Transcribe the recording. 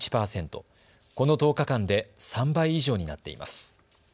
この１０日間で３倍以上になっています。